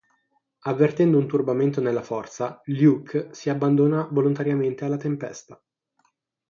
Avvertendo un turbamento nella Forza, Luke si abbandona volontariamente alla tempesta.